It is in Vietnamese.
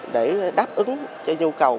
để đáp ứng cho nhu cầu